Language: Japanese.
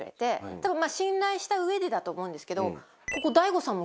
たぶん信頼した上でだと思うんですけど。